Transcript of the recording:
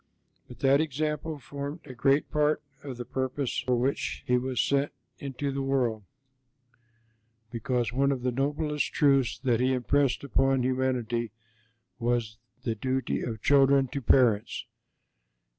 But that example formed a great part of the purpose for which He was sent into the world, because one of the noblest truths that He impressed upon humanity was the duty of children to parents.